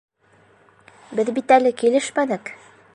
Беҙ бит әле килешмәнек!